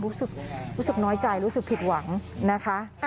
รู้สึกน้อยใจรู้สึกผิดหวังนะคะ